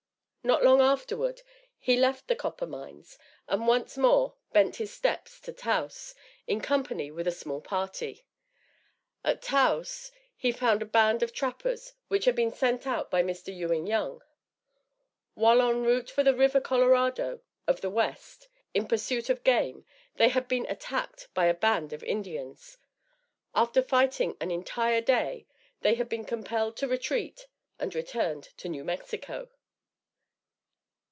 Not long afterward, he left the copper mines, and once more bent his steps to Taos, in company with a small party. At Taos, he found a band of trappers which had been sent out by Mr. Ewing Young. While en route for the river Colorado of the west, in pursuit of game, they had been attacked by a band of Indians. After fighting an entire day, they had been compelled to retreat, and returned to New Mexico.